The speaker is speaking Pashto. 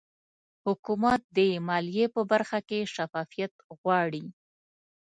حکومت د مالیې په برخه کې شفافیت غواړي